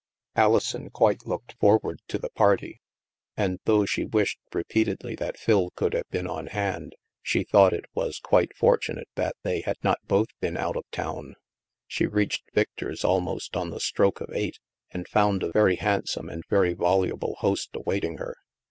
i86 THE MASK Alison quite looked forward to the party and, though she wished repeatedly that Phil could have been on hand, she thought it was quite fortunate that they had not both been out of town. She reached Victor's almost on the stroke of eight and found a very handsome, and very voluble, host awaiting her.